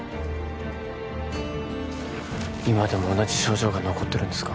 今でも同じ症状が残ってるんですか